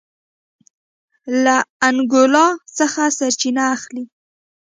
له انګولا څخه سرچینه اخلي.